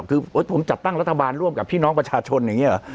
คือผมจัดตั้งรัฐบาลร่วมกับพี่น้องประชาชนอย่างนี้เหรอ